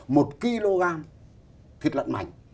một kg thịt lợn mạch